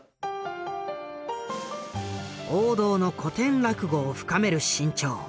王道の古典落語を深める志ん朝。